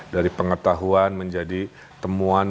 dari pengetahuan menjadi temuan